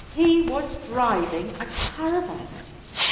He was driving a caravan.